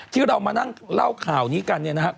ถ้าเรามาเล่าข่าวนี้กันนี่นะครับ